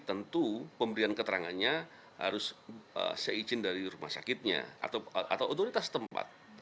tentu pemberian keterangannya harus seizin dari rumah sakitnya atau otoritas tempat